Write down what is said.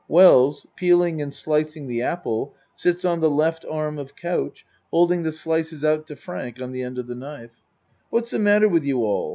Wells, peeling and slicing the apple sits on the L. arm of couch, holding the slices out to Frank on the end of the knife.) What's the matter with you all?